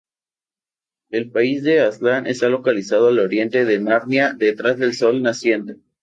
El país de Aslan está localizado al Oriente de Narnia, detrás del Sol naciente.